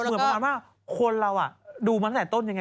เหมือนว่าพวกเราอ่ะดูมาใส่ต้นอย่างไร